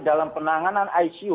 dalam penanganan icu